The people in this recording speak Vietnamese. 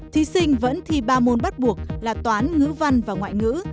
thí sinh vẫn thi ba môn bắt buộc là toán ngữ văn và ngoại ngữ